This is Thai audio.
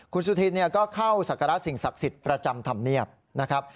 คุณสุธินก็เข้าศักระสิ่งศักดิ์สิทธิ์ประจำธรรมเนียบนะครับ